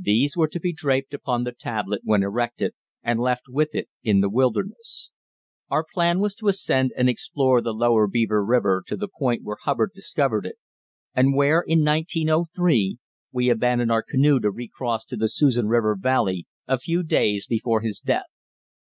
These were to be draped upon the tablet when erected and left with it in the wilderness. Our plan was to ascend and explore the lower Beaver River to the point where Hubbard discovered it, and where, in 1903, we abandoned our canoe to re cross to the Susan River Valley a few days before his death.